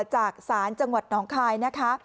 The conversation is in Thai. จากศาลจังหวัดน้องคายนะคะ